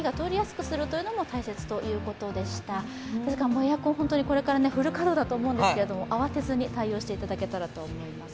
エアコン、これからフル稼働だと思うんですけど慌てずに対応していただけたらと思います。